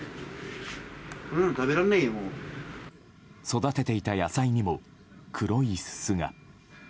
育てていた野菜にも黒いすすが。